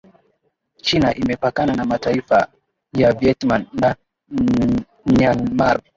China imepakana na mataifa ya Vietnam na Myanmar